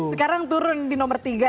sekarang turun di nomor tiga